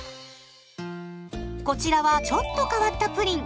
こちらはちょっと変わったプリン。